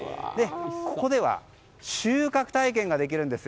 ここでは収穫体験ができます。